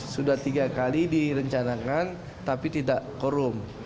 sudah tiga kali direncanakan tapi tidak korum